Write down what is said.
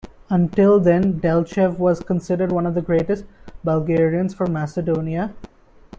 Until then Delchev was considered one of the greatest Bulgarians from Macedonia.